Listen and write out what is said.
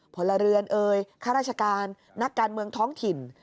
พลเรือนเอ่ยข้าราชการนักการเมืองท้องถิ่น